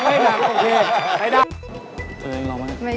เธอยังรอไหม